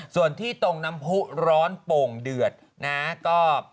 ส่วนที่ตรงน้ำผู้ร้อนโป่งเดือดนะก็